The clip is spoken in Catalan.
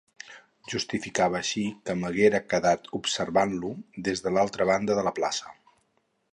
Justificava així que m'haguera quedat observant-lo des de l'altra banda de la plaça...